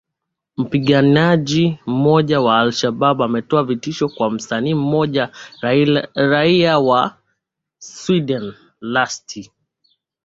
mpiganaji mmoja wa alshabab ametoa vitisho kwa msanii mmoja raia wa sweden lastil